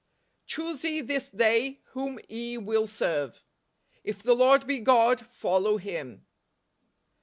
" Choose ye this day whom ye will serve." " If the Lord be God, follow him."